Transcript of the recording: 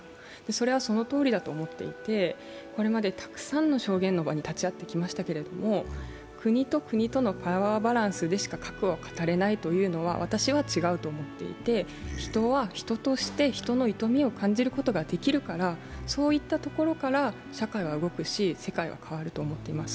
それはそのとおりだと思っていて、これまでたくさんの証言の場に立ち会ってきましたけれども、国と国とのパワーバランスでしか核を語れないというのは私は違うと思っていて人は人として人の痛みを感じることができるからそういったところから社会は動くし、世界は変わると思っています。